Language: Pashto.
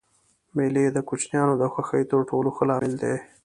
مېلې د کوچنيانو د خوښۍ تر ټولو ښه لامل دئ.